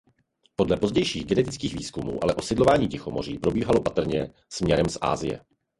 Podle pozdějších genetických výzkumů ale osidlování Tichomoří probíhalo patrně směrem z Asie.